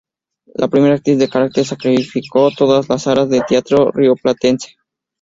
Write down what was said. Primera actriz de carácter, sacrificó todo en aras del teatro rioplatense.